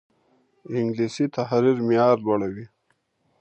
انګلیسي د تحریر معیار لوړوي